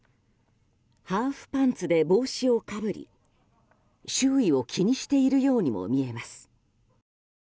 ハーフパンツで帽子をかぶり周囲を気にしているようにも見えます。